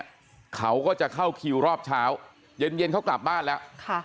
วันเนี่ยเขาก็จะเข้าคิวรอบเช้าเย็นเขากลับบ้านแล้ว